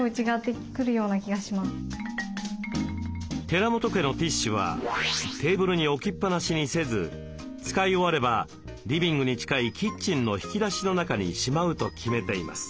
寺本家のティッシュはテーブルに置きっぱなしにせず使い終わればリビングに近いキッチンの引き出しの中にしまうと決めています。